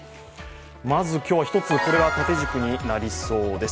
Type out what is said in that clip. まず今日はこれが１つ、縦軸になりそうです。